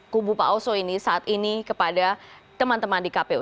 kubu pak oso ini saat ini kepada teman teman di kpu